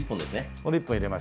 これ１本入れましょう。